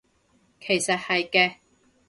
其實係嘅